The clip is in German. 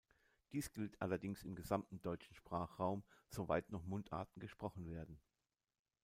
Dies gilt allerdings im gesamten deutschen Sprachraum, soweit noch Mundarten gesprochen werden.